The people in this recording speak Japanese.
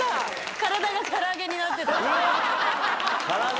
体がから揚げになった女。